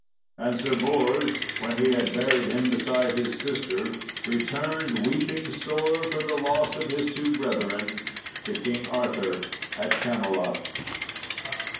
And Sir Bors, when he had buried him beside his sister, returned, weeping sore for the loss of his two brethren, to King Arthur, at Camelot.